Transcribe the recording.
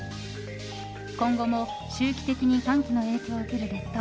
今後も周期的に寒気の影響を受ける列島。